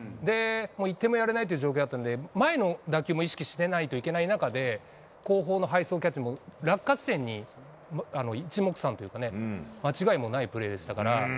もう１点もやれないという状況だったんで、前の打球も意識してないといけない中で、後方の背走キャッチも、落下地点にいちもくさんというかね、間違いもないプレーでしたから。